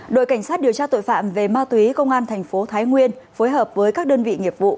đội cảnh sát điều tra tội phạm về ma túy công an thành phố thái nguyên phối hợp với các đơn vị nghiệp vụ